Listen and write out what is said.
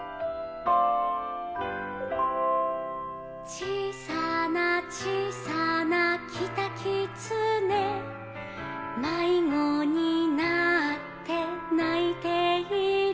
「ちいさなちいさなキタキツネ」「まいごになってないている」